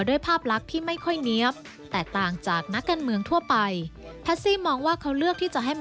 ภาพลักษณ์ที่ไม่ค่อยเนี๊ยบแตกต่างจากนักการเมืองทั่วไปแพซี่มองว่าเขาเลือกที่จะให้มา